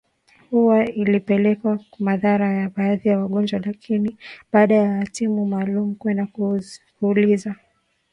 huo ilipelekea madhara kwa baadhi ya wagonjwa Lakini baada ya timu maalum kwenda kuuliza